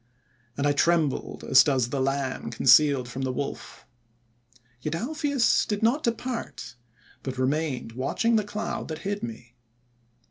and I trembled as does the Lamb concealed from the Wolf. ;Yet Alpheus did not depart, but remained watching the cloud that hid me.